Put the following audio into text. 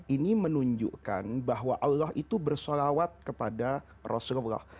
ini menunjukkan bahwa allah itu bersolawat kepada rasulullah